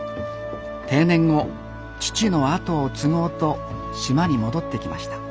定年後父の後を継ごうと島に戻ってきました。